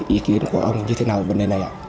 ý kiến của ông như thế nào về vấn đề này ạ